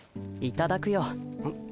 いただくよ。